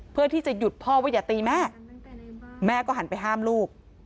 เพื่อที่จะหยุดพ่อว่าอย่าตีแม่แม่ก็หันไปห้ามลูก